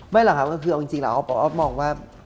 ไม่หรอกค่ะคือจริงหรืออะไว้มองว่า